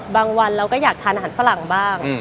วันเราก็อยากทานอาหารฝรั่งบ้าง